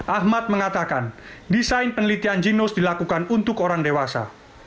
ahmad mengatakan desain penelitian ginos dilakukan untuk orang dewasa